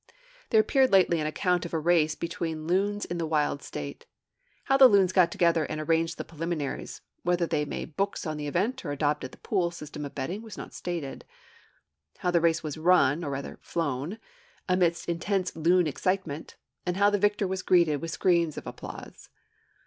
There appeared lately an account of a race between loons in the wild state: how the loons got together and arranged the preliminaries (whether they made books on the event or adopted the pool system of betting was not stated), how the race was run, or rather flown, amid intense loon excitement, and how the victor was greeted with screams of applause!